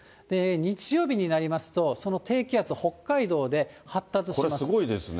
日曜日になりますと、その低気圧、これ、すごいですね。